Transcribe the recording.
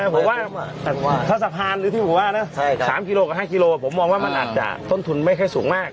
ผมว่าถ้าสะพานหรือที่ผมว่านะ๓กิโลกับ๕กิโลผมมองว่ามันอาจจะต้นทุนไม่ค่อยสูงมาก